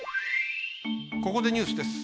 ここでニュースです。